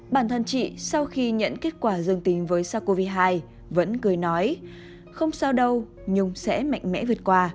bản thân chị sau khi nhận kết quả dương tính với sars cov hai vẫn cười nói không sao đâu nhung sẽ mạnh mẽ vượt qua